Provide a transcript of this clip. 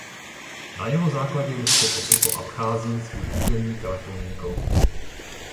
Na jeho základě Rusko poskytlo Abcházii svůj územní telefonní kód.